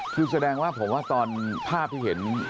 คือแสดงว่าผมว่าตอนภาพที่เห็น